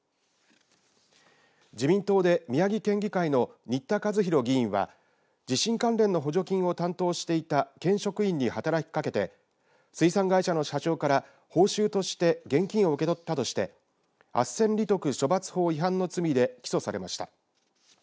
自民党で宮城県議会の仁田和廣議員は地震関連の補助金を担当していた県職員に働きかけて水産会社の社長から報酬として現金を受け取ったとしてあっせん利得処罰法違反の罪で起訴されました。